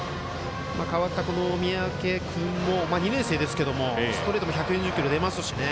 代わった三宅君も２年生ですがストレートも１４０キロ出ますしね。